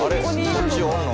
こっちおんの？」